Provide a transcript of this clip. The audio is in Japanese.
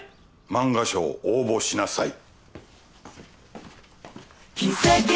漫画賞応募しなさい。